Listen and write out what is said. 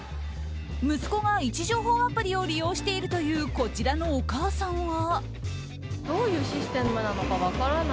息子が位置情報アプリを利用しているというこちらのお母さんは。